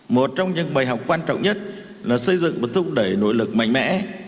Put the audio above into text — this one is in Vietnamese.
một trong những bài học quan trọng nhất là xây dựng một thúc đẩy nỗ lực mạnh mẽ